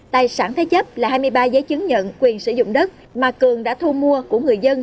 tài sản thế chấp là hai mươi ba giấy chứng nhận quyền sử dụng đất mà cường đã thu mua của người dân